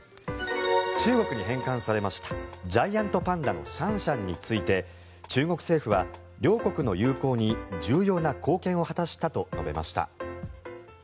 中国に返還されましたジャイアントパンダのシャンシャンについて中国政府は両国の友好に重要な貢献を果たしたと述べました。